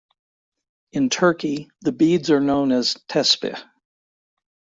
In Turkey, the beads are known as "tespih".